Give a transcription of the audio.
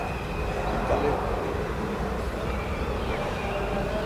Cal é o motivo agora, Laura Álvarez?